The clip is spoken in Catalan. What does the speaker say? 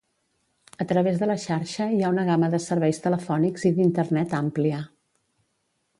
A través de la xarxa hi ha una gama de serveis telefònics i d'Internet àmplia.